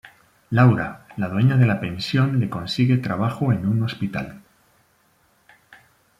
Laura, la dueña de la pensión le consigue trabajo en un hospital.